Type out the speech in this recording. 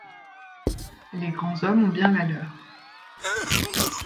Les grands hommes ont bien la leur.